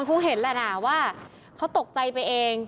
คงเห็นแหละนะว่าเขาตกใจไปเอง